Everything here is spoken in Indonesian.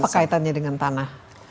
apa kaitannya dengan tanah